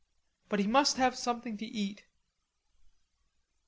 But he must have something to eat.